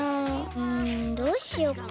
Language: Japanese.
うんどうしよっかな。